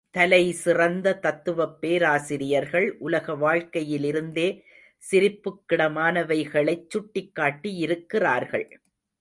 தலைசிறந்த தத்துவப் பேராசிரியர்கள் உலகவாழ்க்கையிலிருந்தே சிரிப்புக்கிடமானவைகளைச் சுட்டிக்காட்டியிருக்கிறார்கள்.